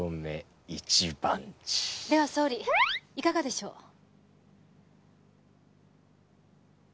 では総理いかがでしょう？